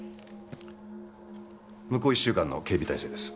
向こう１週間の警備体制です。